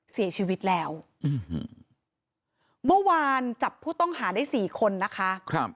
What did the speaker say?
เสียชีวิตแล้วเมื่อวานจับผู้ต้องหาได้สี่คนนะคะ